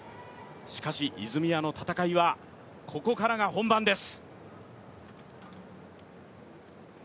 しかし泉谷の戦いはここからが本番です。